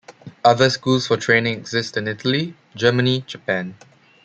Other schools for training exist in Italy, Germany, Japan.